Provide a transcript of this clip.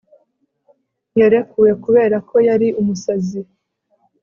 Yarekuwe kubera ko yari umusazi